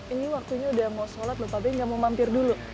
ini waktunya udah mau sholat lho pak be gak mau mampir dulu